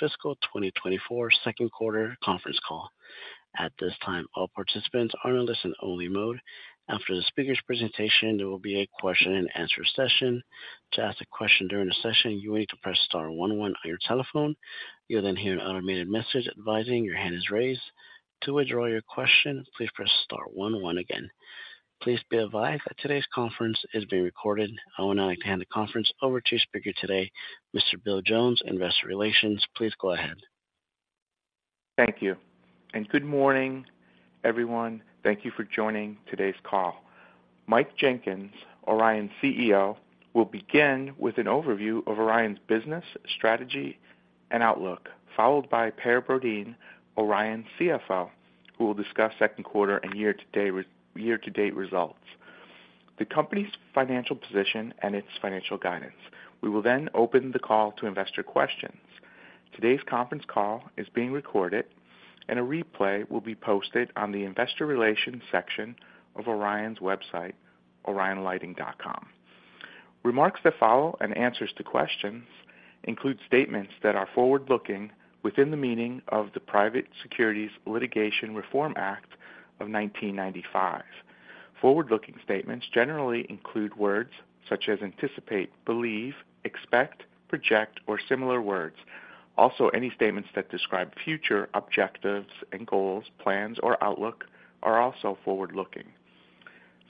Fiscal 2024 second quarter conference call. At this time, all participants are in a listen-only mode. After the speaker's presentation, there will be a question-and-answer session. To ask a question during the session, you will need to press star one one on your telephone. You'll then hear an automated message advising your hand is raised. To withdraw your question, please press star one one again. Please be advised that today's conference is being recorded. I would now like to hand the conference over to your speaker today, Mr. Bill Jones, Investor Relations. Please go ahead. Thank you, and good morning, everyone. Thank you for joining today's call. Mike Jenkins, Orion's CEO, will begin with an overview of Orion's business, strategy, and outlook, followed by Per Brodin, Orion's CFO, who will discuss second quarter and year-to-date results, the company's financial position, and its financial guidance. We will then open the call to investor questions. Today's conference call is being recorded, and a replay will be posted on the Investor Relations section of Orion's website, orionlighting.com. Remarks that follow and answers to questions include statements that are forward-looking within the meaning of the Private Securities Litigation Reform Act of 1995. Forward-looking statements generally include words such as anticipate, believe, expect, project, or similar words. Also, any statements that describe future objectives and goals, plans, or outlook are also forward-looking.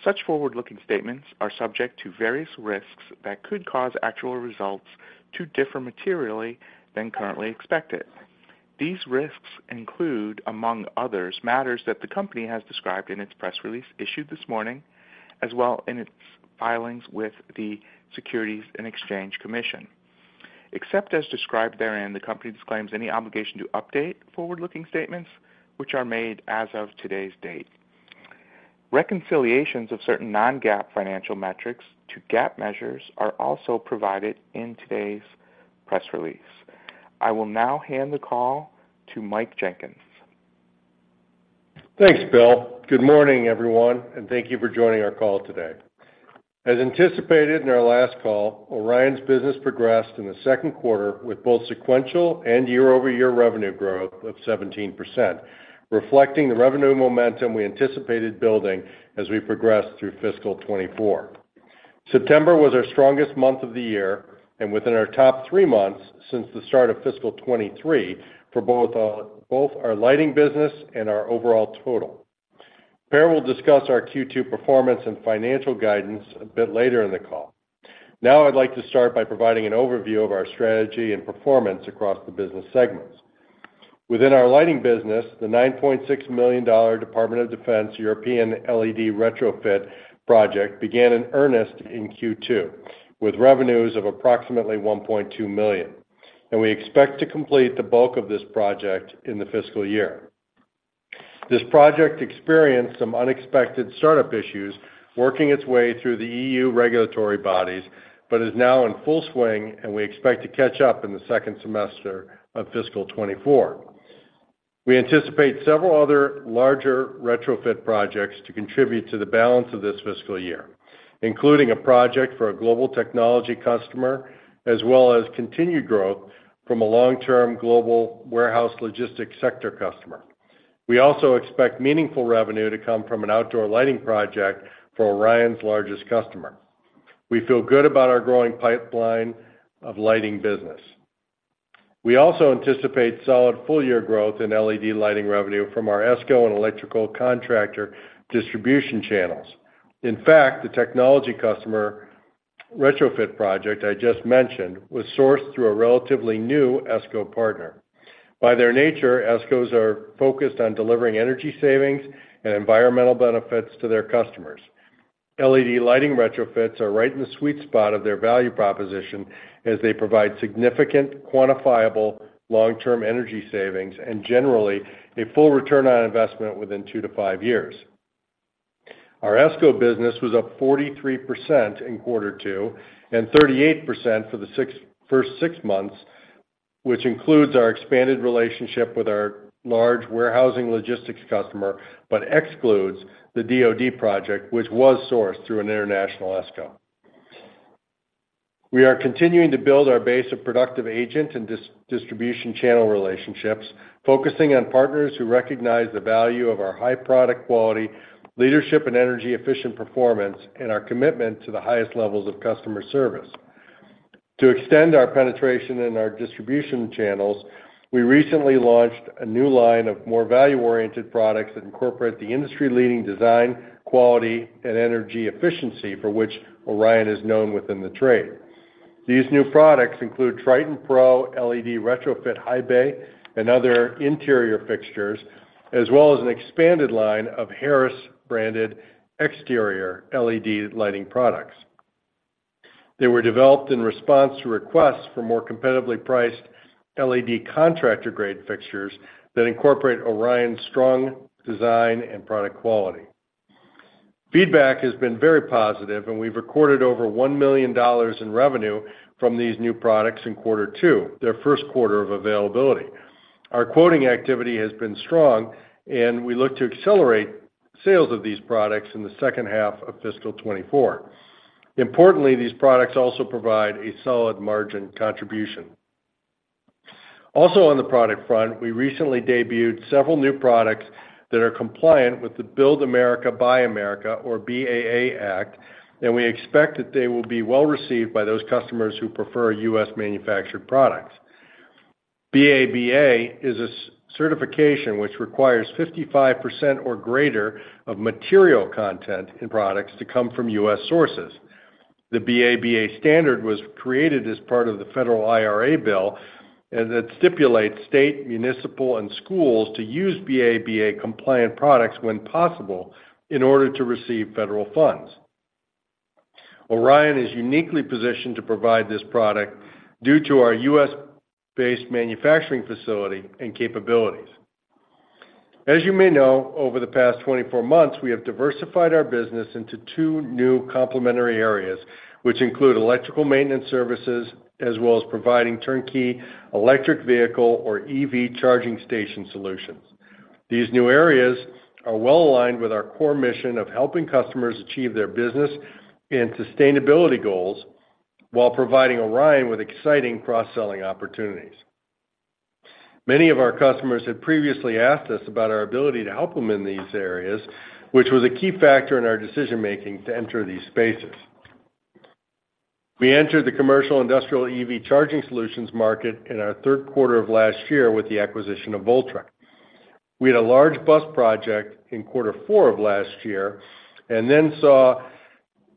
Such forward-looking statements are subject to various risks that could cause actual results to differ materially than currently expected. These risks include, among others, matters that the company has described in its press release issued this morning, as well in its filings with the Securities and Exchange Commission. Except as described therein, the company disclaims any obligation to update forward-looking statements which are made as of today's date. Reconciliations of certain non-GAAP financial metrics to GAAP measures are also provided in today's press release. I will now hand the call to Mike Jenkins. Thanks, Bill. Good morning, everyone, and thank you for joining our call today. As anticipated in our last call, Orion's business progressed in the second quarter with both sequential and year-over-year revenue growth of 17%, reflecting the revenue momentum we anticipated building as we progress through fiscal 2024. September was our strongest month of the year and within our top three months since the start of fiscal 2023 for both both our lighting business and our overall total. Per will discuss our Q2 performance and financial guidance a bit later in the call. Now I'd like to start by providing an overview of our strategy and performance across the business segments. Within our lighting business, the $9.6 million Department of Defense European LED retrofit project began in earnest in Q2, with revenues of approximately $1.2 million, and we expect to complete the bulk of this project in the fiscal year. This project experienced some unexpected startup issues working its way through the EU regulatory bodies, but is now in full swing, and we expect to catch up in the second semester of fiscal 2024. We anticipate several other larger retrofit projects to contribute to the balance of this fiscal year, including a project for a global technology customer, as well as continued growth from a long-term global warehouse logistics sector customer. We also expect meaningful revenue to come from an outdoor lighting project for Orion's largest customer. We feel good about our growing pipeline of lighting business. We also anticipate solid full-year growth in LED lighting revenue from our ESCO and electrical contractor distribution channels. In fact, the technology customer retrofit project I just mentioned was sourced through a relatively new ESCO partner. By their nature, ESCOs are focused on delivering energy savings and environmental benefits to their customers. LED lighting retrofits are right in the sweet spot of their value proposition as they provide significant, quantifiable, long-term energy savings and generally a full return on investment within two to five years. Our ESCO business was up 43% in quarter two and 38% for the first six months, which includes our expanded relationship with our large warehousing logistics customer, but excludes the DoD project, which was sourced through an international ESCO. We are continuing to build our base of productive agent and distribution channel relationships, focusing on partners who recognize the value of our high product quality, leadership and energy-efficient performance, and our commitment to the highest levels of customer service. To extend our penetration in our distribution channels, we recently launched a new line of more value-oriented products that incorporate the industry-leading design, quality, and energy efficiency for which Orion is known within the trade. These new products include TritonPro LED Retrofit High Bay and other interior fixtures, as well as an expanded line of Harris-branded exterior LED lighting products. They were developed in response to requests for more competitively priced LED contractor-grade fixtures that incorporate Orion's strong design and product quality. Feedback has been very positive, and we've recorded over $1 million in revenue from these new products in quarter two, their first quarter of availability. Our quoting activity has been strong, and we look to accelerate sales of these products in the second half of fiscal 2024. Importantly, these products also provide a solid margin contribution. Also, on the product front, we recently debuted several new products that are compliant with the Build America, Buy America, or BABA Act, and we expect that they will be well received by those customers who prefer U.S.-manufactured products. BABA is a certification which requires 55% or greater of material content in products to come from U.S. sources. The BABA standard was created as part of the federal IRA bill, and it stipulates state, municipal, and schools to use BABA-compliant products when possible in order to receive federal funds. Orion is uniquely positioned to provide this product due to our U.S.-based manufacturing facility and capabilities. As you may know, over the past 24 months, we have diversified our business into two new complementary areas, which include electrical maintenance services, as well as providing turnkey electric vehicle, or EV, charging station solutions. These new areas are well aligned with our core mission of helping customers achieve their business and sustainability goals, while providing Orion with exciting cross-selling opportunities. Many of our customers had previously asked us about our ability to help them in these areas, which was a key factor in our decision-making to enter these spaces. We entered the commercial industrial EV charging solutions market in our third quarter of last year with the acquisition of Voltrek. We had a large bus project in quarter four of last year and then saw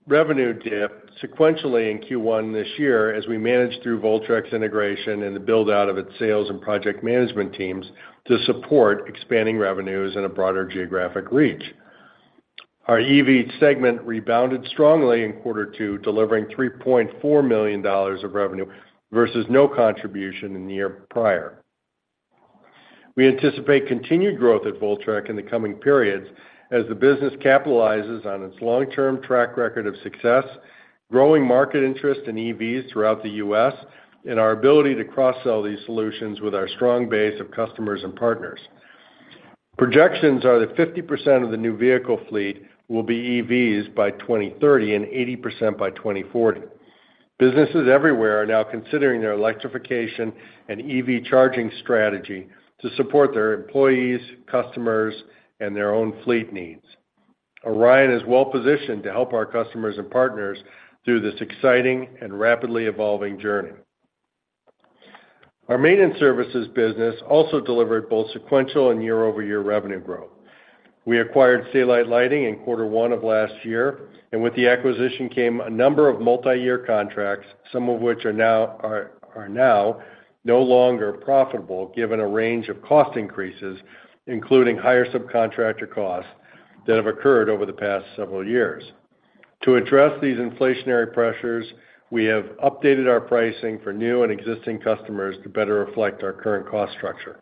revenue dip sequentially in Q1 this year as we managed through Voltrek's integration and the build-out of its sales and project management teams to support expanding revenues and a broader geographic reach. Our EV segment rebounded strongly in quarter two, delivering $3.4 million of revenue versus no contribution in the year prior. We anticipate continued growth at Voltrek in the coming periods as the business capitalizes on its long-term track record of success, growing market interest in EVs throughout the U.S., and our ability to cross-sell these solutions with our strong base of customers and partners. Projections are that 50% of the new vehicle fleet will be EVs by 2030 and 80% by 2040. Businesses everywhere are now considering their electrification and EV charging strategy to support their employees, customers, and their own fleet needs. Orion is well positioned to help our customers and partners through this exciting and rapidly evolving journey. Our maintenance services business also delivered both sequential and year-over-year revenue growth. We acquired Stay-Lite Lighting in quarter one of last year, and with the acquisition came a number of multiyear contracts, some of which are now no longer profitable, given a range of cost increases, including higher subcontractor costs, that have occurred over the past several years. To address these inflationary pressures, we have updated our pricing for new and existing customers to better reflect our current cost structure.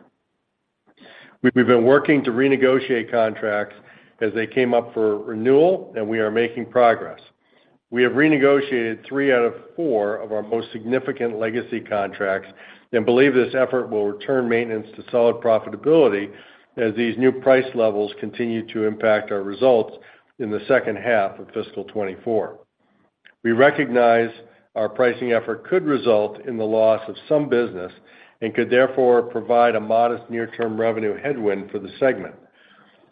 We've been working to renegotiate contracts as they came up for renewal, and we are making progress. We have renegotiated three out of four of our most significant legacy contracts and believe this effort will return maintenance to solid profitability as these new price levels continue to impact our results in the second half of fiscal 2024. We recognize our pricing effort could result in the loss of some business and could therefore provide a modest near-term revenue headwind for the segment.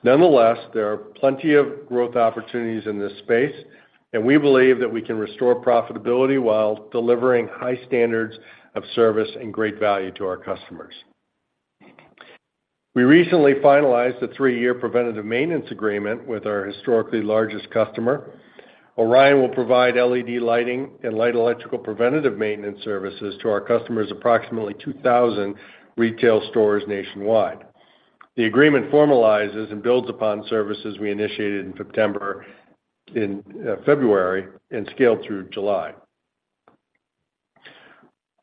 Nonetheless, there are plenty of growth opportunities in this space, and we believe that we can restore profitability while delivering high standards of service and great value to our customers. We recently finalized a three-year preventative maintenance agreement with our historically largest customer. Orion will provide LED lighting and light electrical preventative maintenance services to our customers, approximately 2,000 retail stores nationwide. The agreement formalizes and builds upon services we initiated in February, and scaled through July.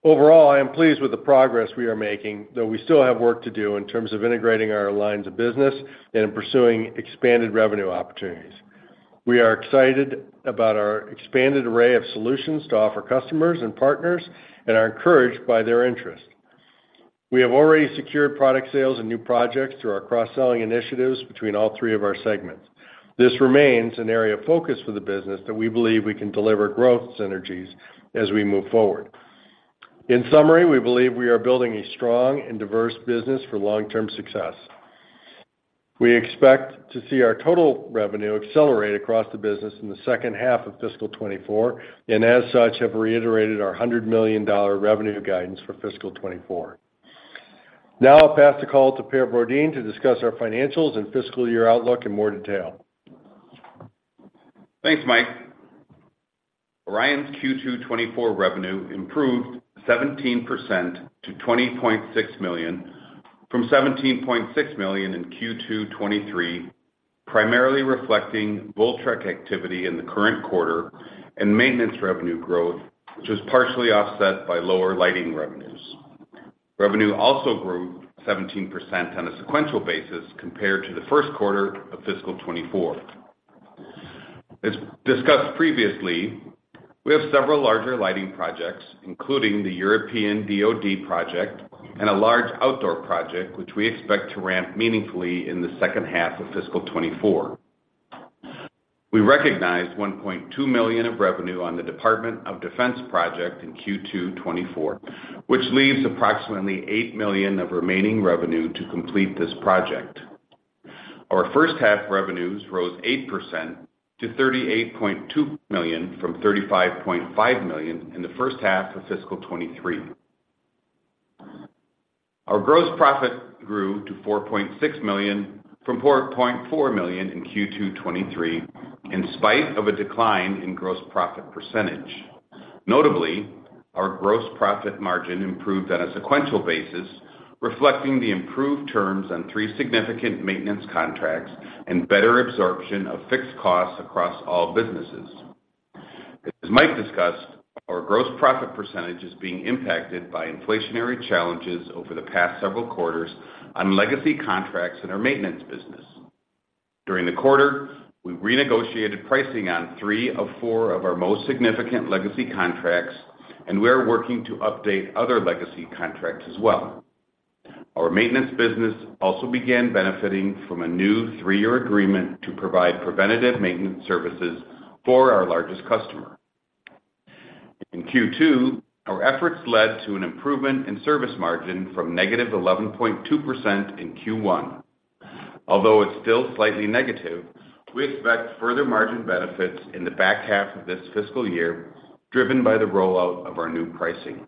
Overall, I am pleased with the progress we are making, though we still have work to do in terms of integrating our lines of business and in pursuing expanded revenue opportunities. We are excited about our expanded array of solutions to offer customers and partners and are encouraged by their interest. We have already secured product sales and new projects through our cross-selling initiatives between all three of our segments. This remains an area of focus for the business that we believe we can deliver growth synergies as we move forward. In summary, we believe we are building a strong and diverse business for long-term success. We expect to see our total revenue accelerate across the business in the second half of fiscal 2024, and as such, have reiterated our $100 million revenue guidance for fiscal 2024. Now I'll pass the call to Per Brodin to discuss our financials and fiscal year outlook in more detail. Thanks, Mike. Orion's Q2 2024 revenue improved 17% to $20.6 million, from $17.6 million in Q2 2023, primarily reflecting Voltrek activity in the current quarter and maintenance revenue growth, which was partially offset by lower lighting revenues. Revenue also grew 17% on a sequential basis compared to the first quarter of fiscal 2024. As discussed previously, we have several larger lighting projects, including the European DoD project and a large outdoor project, which we expect to ramp meaningfully in the second half of fiscal 2024. We recognized $1.2 million of revenue on the Department of Defense project in Q2 2024, which leaves approximately $8 million of remaining revenue to complete this project. Our first half revenues rose 8% to $38.2 million from $35.5 million in the first half of fiscal 2023. Our gross profit grew to $4.6 million from $4.4 million in Q2 2023, in spite of a decline in gross profit percentage. Notably, our gross profit margin improved on a sequential basis, reflecting the improved terms on three significant maintenance contracts and better absorption of fixed costs across all businesses. As Mike discussed, our gross profit percentage is being impacted by inflationary challenges over the past several quarters on legacy contracts in our maintenance business. During the quarter, we renegotiated pricing on three of four of our most significant legacy contracts, and we are working to update other legacy contracts as well. Our maintenance business also began benefiting from a new three-year agreement to provide preventative maintenance services for our largest customer. In Q2, our efforts led to an improvement in service margin from -11.2% in Q1. Although it's still slightly negative, we expect further margin benefits in the back half of this fiscal year, driven by the rollout of our new pricing.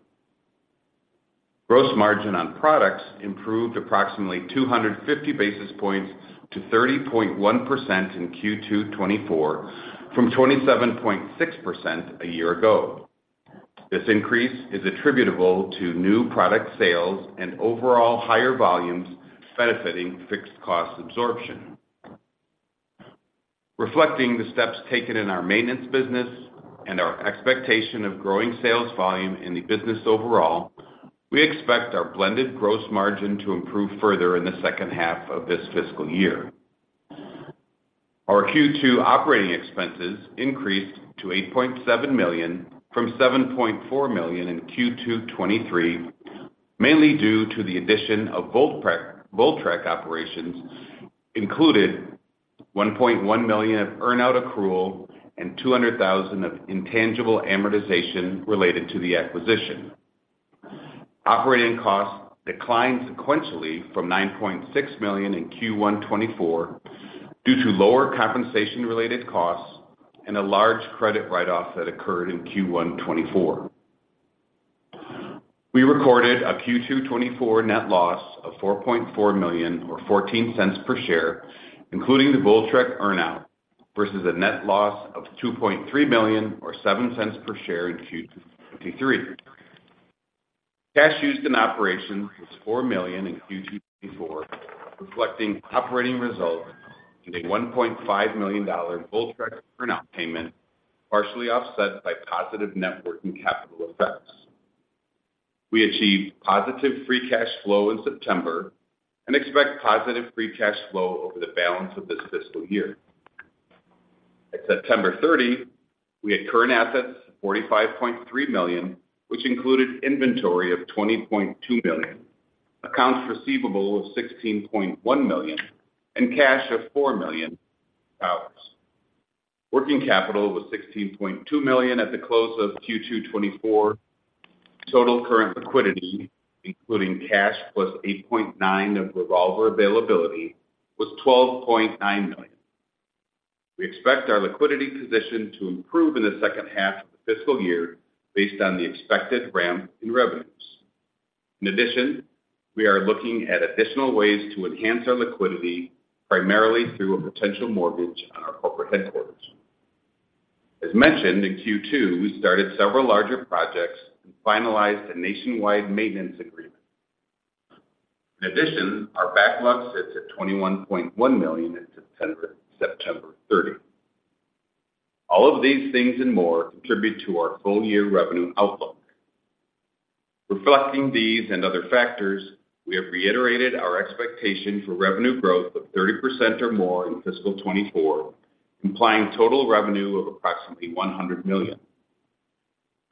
Gross margin on products improved approximately 250 basis points to 30.1% in Q2 2024, from 27.6% a year ago. This increase is attributable to new product sales and overall higher volumes, benefiting fixed cost absorption. Reflecting the steps taken in our maintenance business and our expectation of growing sales volume in the business overall, we expect our blended gross margin to improve further in the second half of this fiscal year. Our Q2 operating expenses increased to $8.7 million from $7.4 million in Q2 2023, mainly due to the addition of Voltrek, Voltrek operations, included $1.1 million of earn-out accrual and $200,000 of intangible amortization related to the acquisition. Operating costs declined sequentially from $9.6 million in Q1 2024, due to lower compensation-related costs and a large credit write-off that occurred in Q1 2024. We recorded a Q2 2024 net loss of $4.4 million, or $0.14 per share, including the Voltrek earn-out, versus a net loss of $2.3 million, or $0.07 per share in Q2 2023. Cash used in operations was $4 million in Q2 2024, reflecting operating results and a $1.5 million Voltrek earn-out payment, partially offset by positive net working capital effects. We achieved positive free cash flow in September and expect positive free cash flow over the balance of this fiscal year. At September 30, we had current assets of $45.3 million, which included inventory of $20.2 million, accounts receivable of $16.1 million, and cash of $4 million. Working capital was $16.2 million at the close of Q2 2024. Total current liquidity, including cash plus $8.9 million of revolver availability, was $12.9 million. We expect our liquidity position to improve in the second half of the fiscal year based on the expected ramp in revenues. In addition, we are looking at additional ways to enhance our liquidity, primarily through a potential mortgage on our corporate headquarters. As mentioned, in Q2, we started several larger projects and finalized a nationwide maintenance agreement. In addition, our backlog sits at $21.1 million at September 30. All of these things and more contribute to our full-year revenue outlook. Reflecting these and other factors, we have reiterated our expectation for revenue growth of 30% or more in fiscal 2024, implying total revenue of approximately $100 million.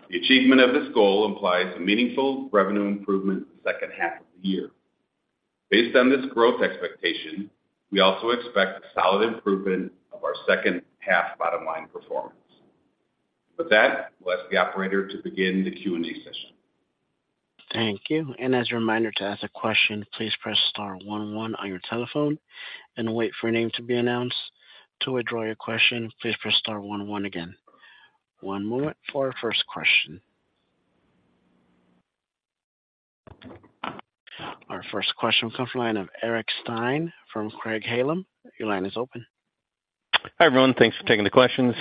The achievement of this goal implies a meaningful revenue improvement in the second half of the year. Based on this growth expectation, we also expect a solid improvement of our second-half bottom-line performance. With that, I'll ask the operator to begin the Q&A session. Thank you. And as a reminder, to ask a question, please press star one one on your telephone and wait for your name to be announced. To withdraw your question, please press star one one again. One moment for our first question. Our first question will come from the line of Eric Stine from Craig-Hallum. Your line is open. Hi, everyone. Thanks for taking the questions.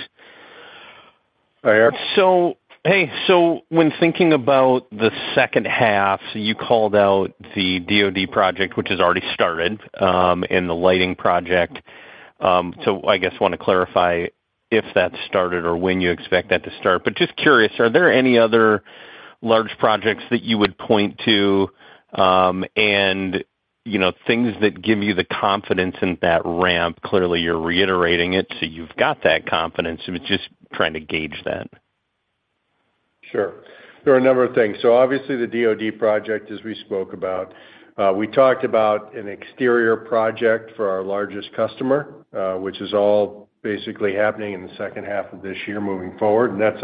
Hi, Eric. So, hey, so when thinking about the second half, you called out the DoD project, which has already started, and the lighting project. So I guess want to clarify if that started or when you expect that to start. But just curious, are there any other large projects that you would point to, you know, things that give you the confidence in that ramp. Clearly, you're reiterating it, so you've got that confidence. I was just trying to gauge that. Sure. There are a number of things. So obviously, the DoD project, as we spoke about, we talked about an exterior project for our largest customer, which is all basically happening in the second half of this year, moving forward. And that's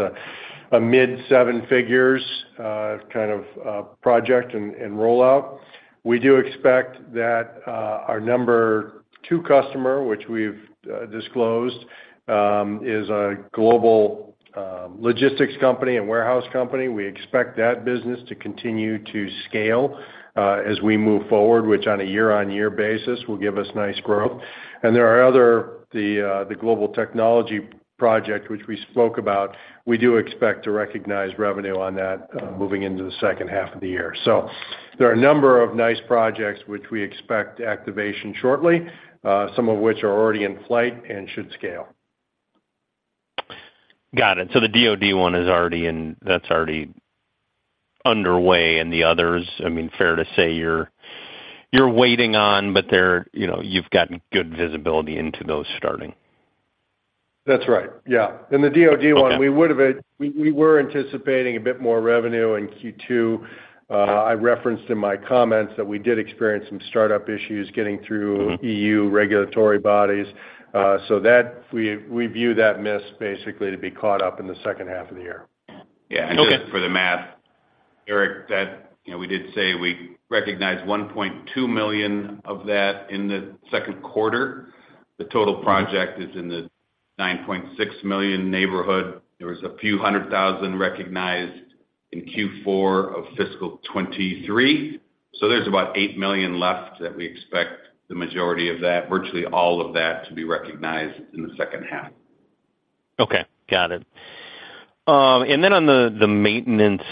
a mid-seven figures kind of project and rollout. We do expect that our number two customer, which we've disclosed, is a global logistics company and warehouse company. We expect that business to continue to scale as we move forward, which on a year-on-year basis, will give us nice growth. And there are other—the global technology project, which we spoke about, we do expect to recognize revenue on that moving into the second half of the year. So there are a number of nice projects which we expect activation shortly, some of which are already in flight and should scale. Got it. So the DoD one is already in, that's already underway, and the others, I mean, fair to say you're waiting on, but they're, you know, you've gotten good visibility into those starting? That's right. Yeah. Okay. In the DoD one, we would have we were anticipating a bit more revenue in Q2. I referenced in my comments that we did experience some startup issues getting through- Mm-hmm EU regulatory bodies. So that we view that miss basically to be caught up in the second half of the year. Yeah. Yeah. And just for the math, Eric, that, you know, we did say we recognized $1.2 million of that in the second quarter. The total project is in the $9.6 million neighborhood. There was a few hundred thousand recognized in Q4 of fiscal 2023, so there's about $8 million left that we expect the majority of that, virtually all of that, to be recognized in the second half. Okay, got it. And then on the maintenance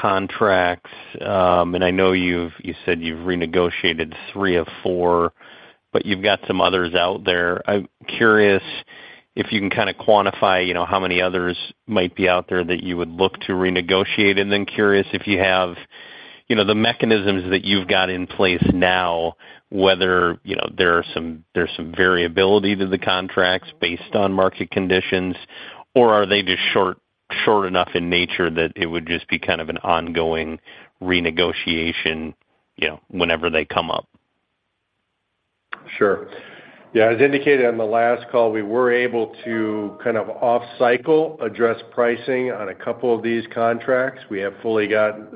contracts, and I know you said you've renegotiated three of four, but you've got some others out there. I'm curious if you can kinda quantify, you know, how many others might be out there that you would look to renegotiate. And then curious if you have, you know, the mechanisms that you've got in place now, whether, you know, there are some—there's some variability to the contracts based on market conditions, or are they just short enough in nature that it would just be kind of an ongoing renegotiation, you know, whenever they come up? Sure. Yeah, as indicated on the last call, we were able to kind of off cycle, address pricing on a couple of these contracts. We have fully got,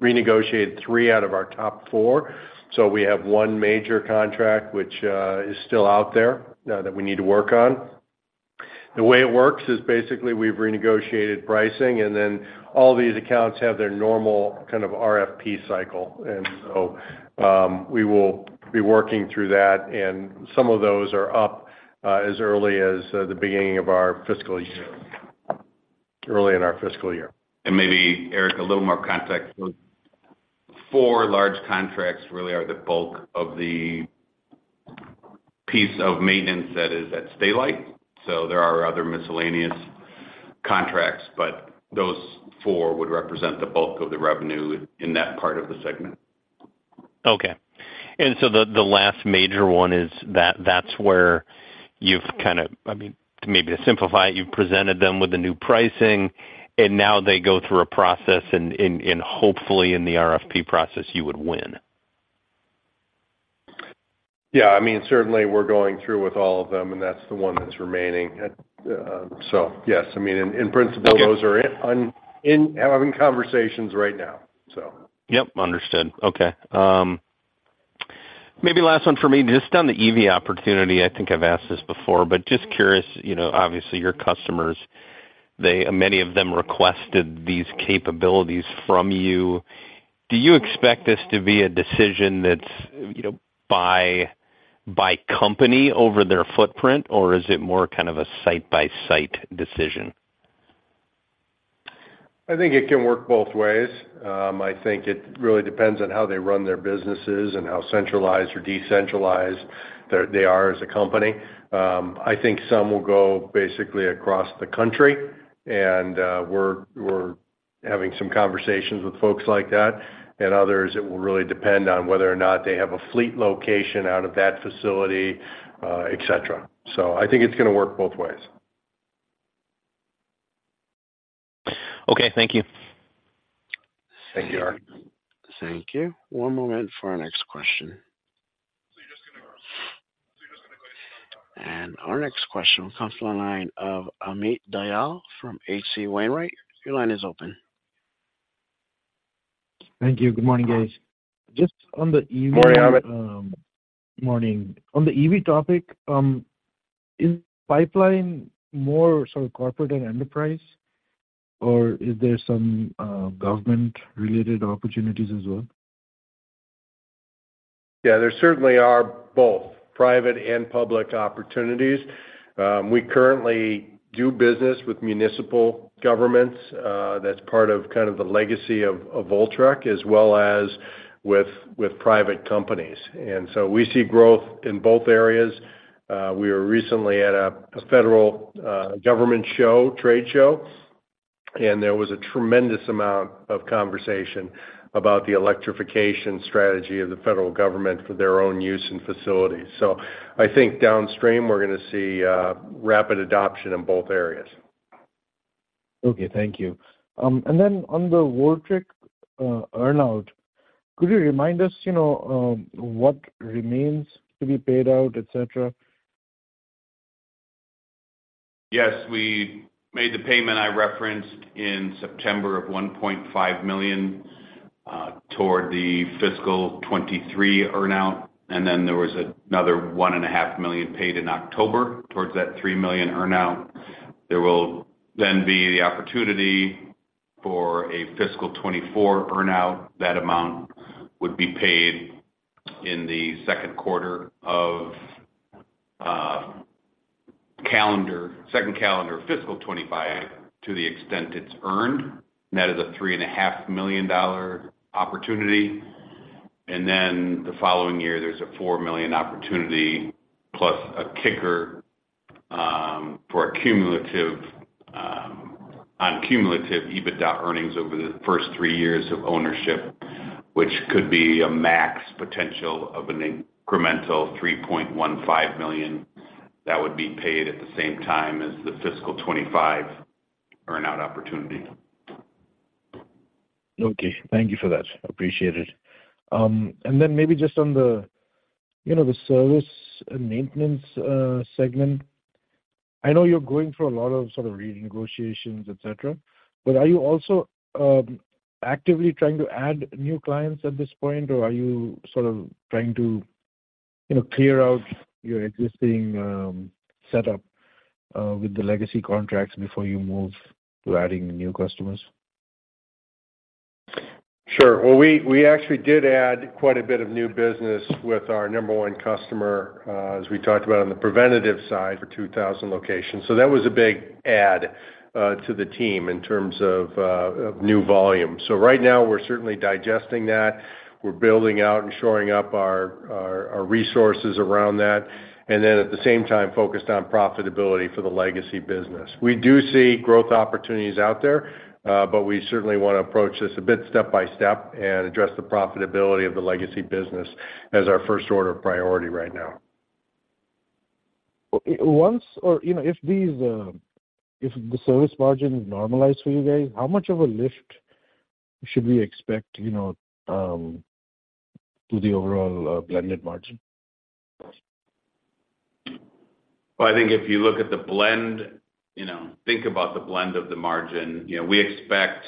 renegotiated three out of our top four, so we have one major contract, which, is still out there, that we need to work on. The way it works is basically we've renegotiated pricing, and then all these accounts have their normal kind of RFP cycle. And so, we will be working through that, and some of those are up, as early as, the beginning of our fiscal year, early in our fiscal year. Maybe, Eric, a little more context. Four large contracts really are the bulk of the piece of maintenance that is at Stay-Lite. So there are other miscellaneous contracts, but those four would represent the bulk of the revenue in that part of the segment. Okay. And so the last major one is that—that's where you've kind of, I mean, maybe to simplify it, you've presented them with the new pricing, and now they go through a process, and hopefully in the RFP process, you would win. Yeah, I mean, certainly we're going through with all of them, and that's the one that's remaining. So yes, I mean, in principle- Okay... those are in on having conversations right now, so. Yep, understood. Okay, maybe last one for me, just on the EV opportunity. I think I've asked this before, but just curious, you know, obviously your customers, they, many of them requested these capabilities from you. Do you expect this to be a decision that's, you know, by, by company over their footprint, or is it more kind of a site-by-site decision? I think it can work both ways. I think it really depends on how they run their businesses and how centralized or decentralized they're, they are as a company. I think some will go basically across the country, and we're, we're having some conversations with folks like that. And others, it will really depend on whether or not they have a fleet location out of that facility, et cetera. So I think it's gonna work both ways. Okay, thank you. Thank you, Eric. Thank you. One moment for our next question. Our next question comes from the line of Amit Dayal from H.C. Wainwright. Your line is open. Thank you. Good morning, guys. Just on the EV- Good morning, Amit. Morning. On the EV topic, is pipeline more sort of corporate and enterprise, or is there some government-related opportunities as well? Yeah, there certainly are both private and public opportunities. We currently do business with municipal governments, that's part of, kind of the legacy of Voltrek, as well as with private companies, and so we see growth in both areas. We were recently at a federal government show, trade show, and there was a tremendous amount of conversation about the electrification strategy of the federal government for their own use and facilities. So I think downstream, we're gonna see rapid adoption in both areas. Okay, thank you. And then on the Voltrek, earn-out, could you remind us, you know, what remains to be paid out, et cetera? Yes, we made the payment I referenced in September of $1.5 million toward the fiscal 2023 earn-out, and then there was another $1.5 million paid in October towards that $3 million earn-out. There will then be the opportunity for a fiscal 2024 earn-out. That amount would be paid in the second quarter of calendar second calendar fiscal 2025, to the extent it's earned, and that is a $3.5 million dollar opportunity. And then the following year, there's a $4 million opportunity, plus a kicker for a cumulative EBITDA earnings over the first three years of ownership, which could be a max potential of an incremental $3.15 million. That would be paid at the same time as the fiscal 2025 earn-out opportunity. Okay, thank you for that. Appreciate it. And then maybe just on the, you know, the service and maintenance segment. I know you're going through a lot of sort of renegotiations, et cetera, but are you also actively trying to add new clients at this point? Or are you sort of trying to, you know, clear out your existing setup with the legacy contracts before you move to adding new customers? Sure. Well, we actually did add quite a bit of new business with our number one customer, as we talked about on the preventative side, for 2,000 locations. So that was a big add to the team in terms of new volume. So right now we're certainly digesting that. We're building out and shoring up our resources around that, and then, at the same time, focused on profitability for the legacy business. We do see growth opportunities out there, but we certainly want to approach this a bit step by step and address the profitability of the legacy business as our first order of priority right now. You know, if the service margin is normalized for you guys, how much of a lift should we expect, you know, to the overall blended margin? Well, I think if you look at the blend, you know, think about the blend of the margin, you know, we expect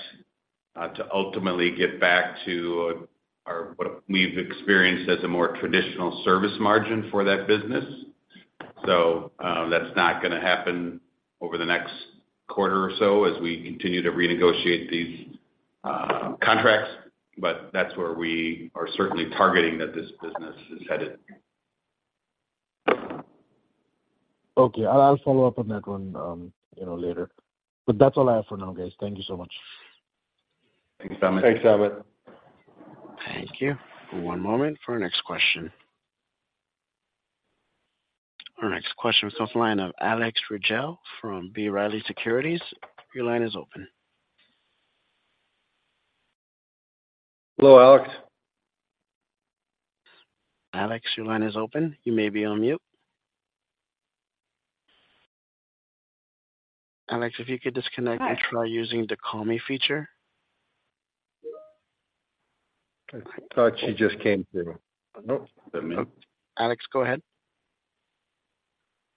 to ultimately get back to our—what we've experienced as a more traditional service margin for that business. So, that's not gonna happen over the next quarter or so as we continue to renegotiate these contracts, but that's where we are certainly targeting that this business is headed. Okay. I'll follow up on that one, you know, later. But that's all I have for now, guys. Thank you so much. Thanks, Amit. Thanks, Amit. Thank you. One moment for our next question. Our next question comes from the line of Alex Rygiel from B. Riley Securities. Your line is open. Hello, Alex. Alex, your line is open. You may be on mute. Alex, if you could disconnect and try using the call me feature. I thought she just came through. Oh, does that mean- Alex, go ahead.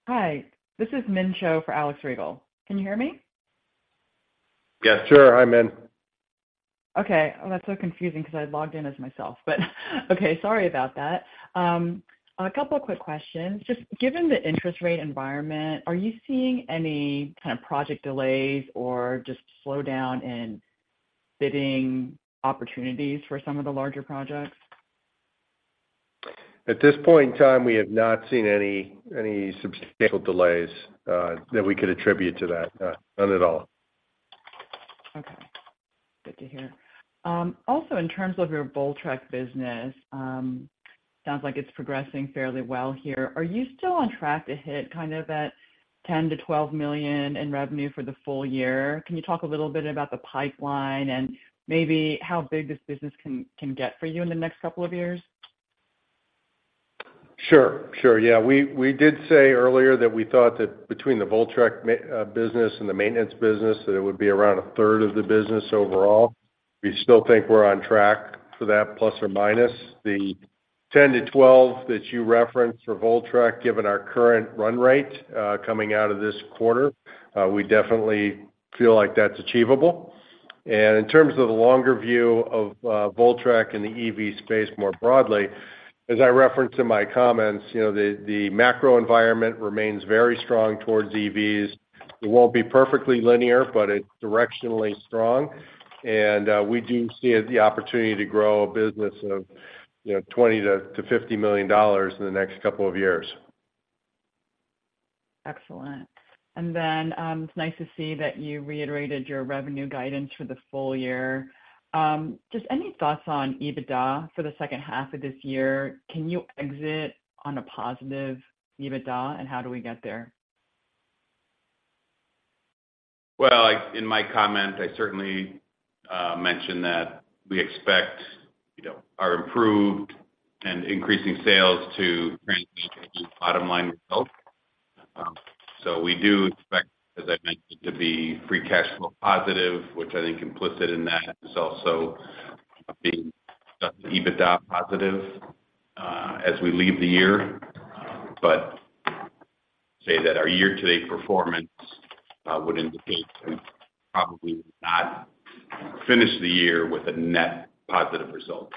Hi, this is Min Cho for Alex Riegel. Can you hear me? Yes. Sure, hi, Min. Okay. Oh, that's so confusing because I logged in as myself, but okay, sorry about that. A couple of quick questions. Just given the interest rate environment, are you seeing any kind of project delays or just slowdown in bidding opportunities for some of the larger projects? At this point in time, we have not seen any substantial delays that we could attribute to that. None at all. Okay, good to hear. Also, in terms of your Voltrek business, sounds like it's progressing fairly well here. Are you still on track to hit kind of that $10 million-$12 million in revenue for the full year? Can you talk a little bit about the pipeline and maybe how big this business can get for you in the next couple of years? Sure. Sure, yeah. We, we did say earlier that we thought that between the Voltrek business and the maintenance business, that it would be around a third of the business overall. We still think we're on track for that, plus or minus. The 10-12 that you referenced for Voltrek, given our current run rate, coming out of this quarter, we definitely feel like that's achievable. And in terms of the longer view of Voltrek and the EV space more broadly, as I referenced in my comments, you know, the macro environment remains very strong towards EVs. It won't be perfectly linear, but it's directionally strong. And we do see the opportunity to grow a business of, you know, $20 million-$50 million in the next couple of years. Excellent. And then, it's nice to see that you reiterated your revenue guidance for the full year. Just any thoughts on EBITDA for the second half of this year? Can you exit on a positive EBITDA, and how do we get there? Well, in my comment, I certainly mentioned that we expect, you know, our improved and increasing sales to translate into bottom-line results. So we do expect, as I mentioned, to be free cash flow positive, which I think implicit in that is also being EBITDA positive, as we leave the year. But say that our year-to-date performance would indicate we probably not finish the year with a net positive result.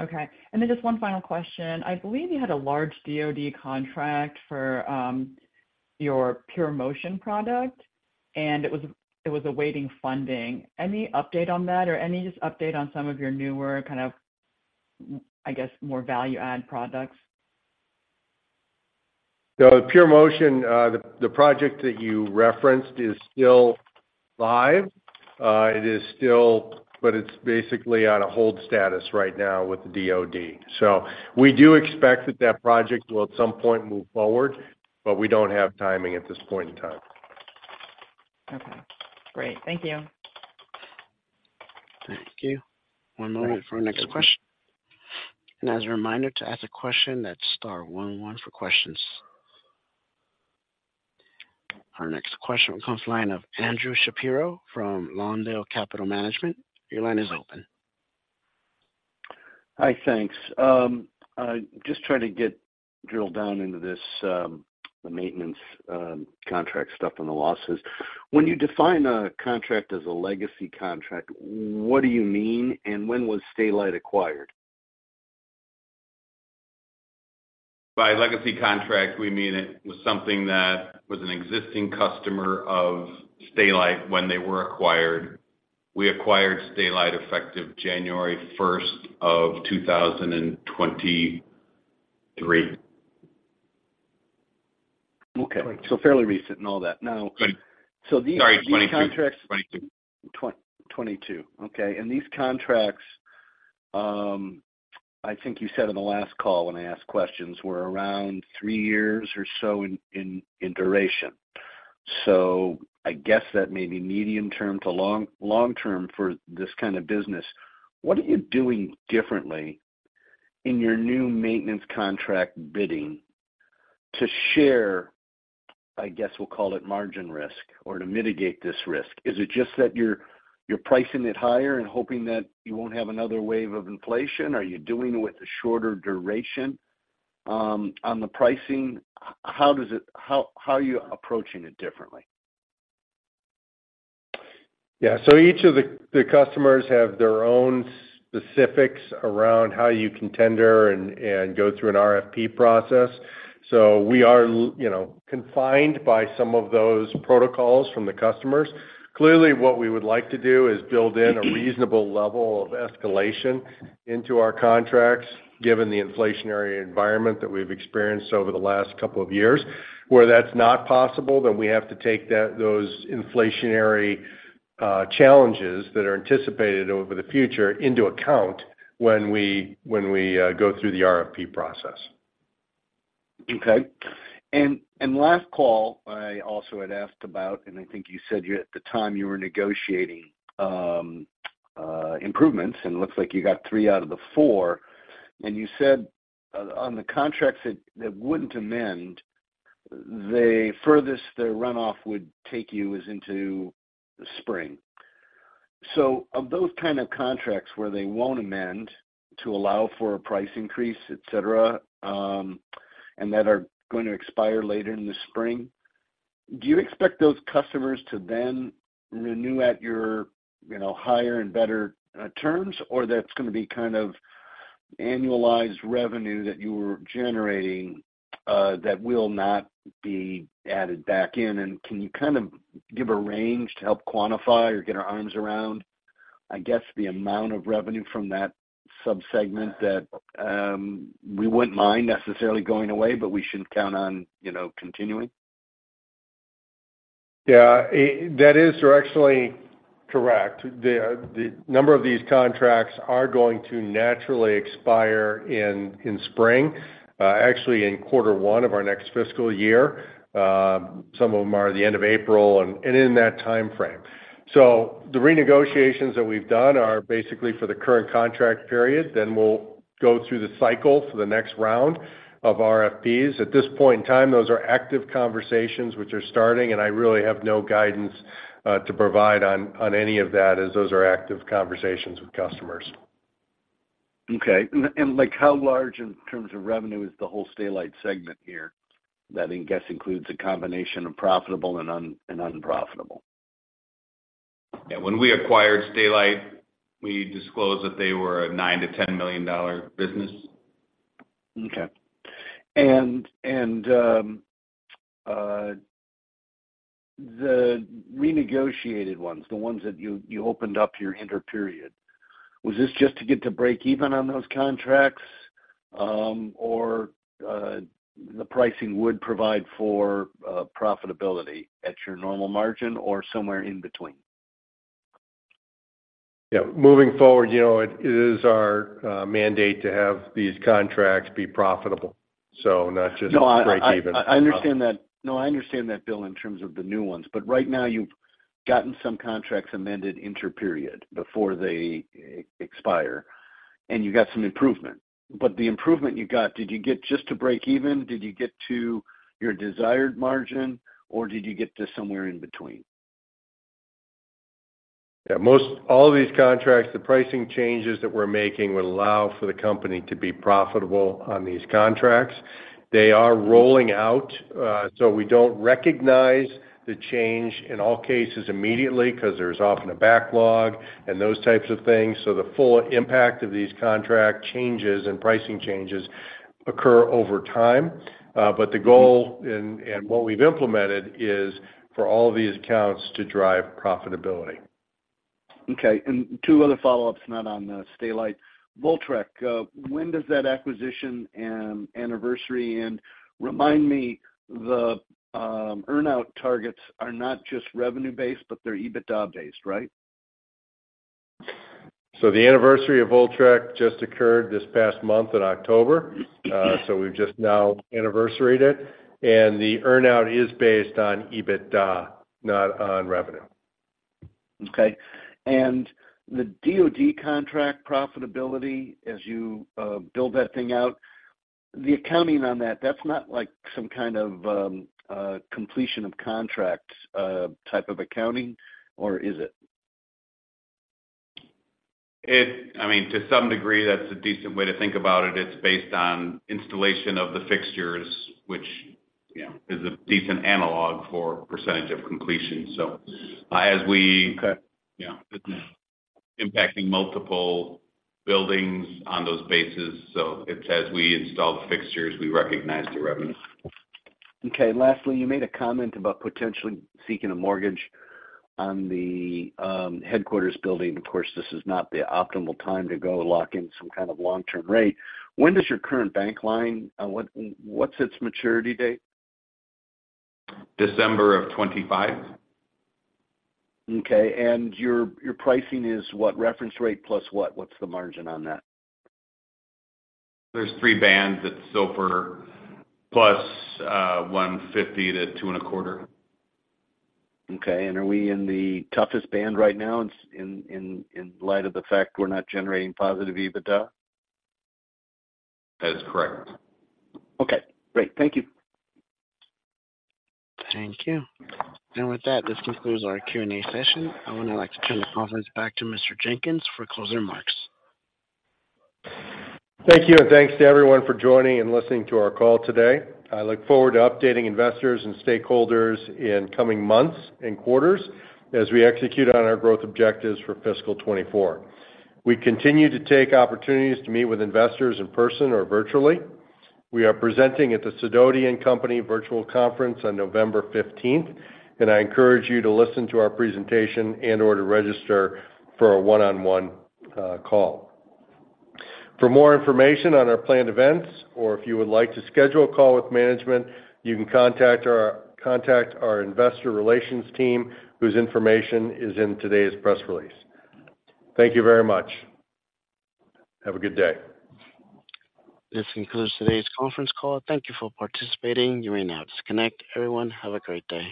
Okay. And then just one final question: I believe you had a large DoD contract for your PUREMOTION product, and it was awaiting funding. Any update on that or any just update on some of your newer kind of, I guess, more value-add products? So the PUREMOTION, the project that you referenced is still live. It is still, but it's basically on a hold status right now with the DoD. So we do expect that that project will, at some point, move forward, but we don't have timing at this point in time. Okay, great. Thank you. Thank you. One moment for our next question. As a reminder, to ask a question, that's star one one for questions. Our next question comes from the line of Andrew Shapiro from Lawndale Capital Management. Your line is open. Hi, thanks. I'm just trying to get drilled down into this, the maintenance, contract stuff and the losses. When you define a contract as a legacy contract, what do you mean? And when was Stay-Lite acquired? By legacy contract, we mean it was something that was an existing customer of Stay-Lite when they were acquired. We acquired Stay-Lite effective January 1, 2023. Okay. So fairly recent and all that. Now- Sorry, 2022. Okay. And these contracts, I think you said in the last call when I asked questions, were around three years or so in duration. So I guess that may be medium term to long term for this kind of business. What are you doing differently in your new maintenance contract bidding to share, I guess we'll call it margin risk, or to mitigate this risk? Is it just that you're pricing it higher and hoping that you won't have another wave of inflation? Are you doing it with a shorter duration on the pricing? How are you approaching it differently? Yeah. So each of the customers have their own specifics around how you can tender and go through an RFP process. So we are, you know, confined by some of those protocols from the customers. Clearly, what we would like to do is build in a reasonable level of escalation into our contracts, given the inflationary environment that we've experienced over the last couple of years. Where that's not possible, then we have to take those inflationary challenges that are anticipated over the future into account when we go through the RFP process. Okay. And last call I also had asked about, and I think you said you, at the time, you were negotiating improvements, and it looks like you got three out of the four. And you said on the contracts that wouldn't amend, the furthest the runoff would take you is into the spring. So of those kind of contracts where they won't amend to allow for a price increase, et cetera, and that are going to expire later in the spring, do you expect those customers to then renew at your, you know, higher and better terms? Or that's gonna be kind of annualized revenue that you were generating that will not be added back in? Can you kind of give a range to help quantify or get our arms around, I guess, the amount of revenue from that subsegment that we wouldn't mind necessarily going away, but we shouldn't count on, you know, continuing? Yeah, that is actually correct. The number of these contracts are going to naturally expire in spring, actually in quarter one of our next fiscal year. Some of them are the end of April and in that timeframe. So the renegotiations that we've done are basically for the current contract period, then we'll go through the cycle for the next round of RFPs. At this point in time, those are active conversations which are starting, and I really have no guidance to provide on any of that, as those are active conversations with customers. Okay. And like how large in terms of revenue is the whole Stay-Lite segment here? That I guess includes a combination of profitable and unprofitable. Yeah, when we acquired Stay-Lite, we disclosed that they were a $9 million-$10 million business. Okay. The renegotiated ones, the ones that you opened up your interperiod, was this just to get to break even on those contracts, or the pricing would provide for profitability at your normal margin or somewhere in between? Yeah, moving forward, you know, it is our mandate to have these contracts be profitable, so not just break even. No, I understand that. No, I understand that, Bill, in terms of the new ones, but right now you've gotten some contracts amended interperiod before they expire, and you got some improvement. But the improvement you got, did you get just to break even? Did you get to your desired margin, or did you get to somewhere in between? Yeah, all of these contracts, the pricing changes that we're making would allow for the company to be profitable on these contracts. They are rolling out, so we don't recognize the change in all cases immediately, 'cause there's often a backlog and those types of things, so the full impact of these contract changes and pricing changes occur over time. But the goal and what we've implemented is for all of these accounts to drive profitability. Okay, and two other follow-ups, not on the Stay-Lite. Voltrek, when does that acquisition and anniversary end? Remind me, the earn-out targets are not just revenue-based, but they're EBITDA-based, right? The anniversary of Voltrek just occurred this past month in October, so we've just now anniversaried it, and the earn-out is based on EBITDA, not on revenue. Okay. And the DoD contract profitability, as you build that thing out, the accounting on that, that's not like some kind of completion of contract type of accounting, or is it? I mean, to some degree, that's a decent way to think about it. It's based on installation of the fixtures, which, you know, is a decent analog for percentage of completion. So as we- Okay. Yeah. Impacting multiple buildings on those bases, so it's as we install the fixtures, we recognize the revenue. Okay. Lastly, you made a comment about potentially seeking a mortgage on the headquarters building. Of course, this is not the optimal time to go lock in some kind of long-term rate. When does your current bank line, what's its maturity date? December of 2025. Okay, and your pricing is what? Reference rate, plus what? What's the margin on that? There's three bands. It's SOFR plus 1.50-2.25. Okay. Are we in the toughest band right now, in light of the fact we're not generating positive EBITDA? That is correct. Okay, great. Thank you. Thank you. With that, this concludes our Q&A session. I would now like to turn the conference back to Mr. Jenkins for closing remarks. Thank you, and thanks to everyone for joining and listening to our call today. I look forward to updating investors and stakeholders in coming months and quarters as we execute on our growth objectives for fiscal 2024. We continue to take opportunities to meet with investors in person or virtually. We are presenting at the Sidoti & Company Virtual Conference on November 15th, and I encourage you to listen to our presentation and/or to register for a one-on-one call. For more information on our planned events, or if you would like to schedule a call with management, you can contact our investor relations team, whose information is in today's press release. Thank you very much. Have a good day. This concludes today's conference call. Thank you for participating. You may now disconnect. Everyone, have a great day.